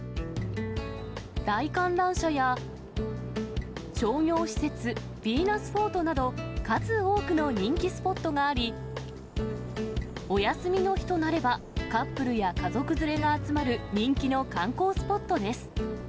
大観覧車や、商業施設、ヴィーナスフォートなど、数多くの人気スポットがあり、お休みの日となれば、カップルや家族連れが集まる人気の観光スポットです。